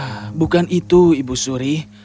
ya bukan itu ibu suri